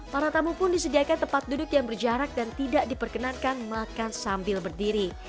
para tamu pun disediakan tempat duduk yang berjarak dan tidak diperkenankan makan sambil berdiri